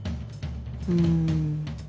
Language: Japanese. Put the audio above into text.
うん。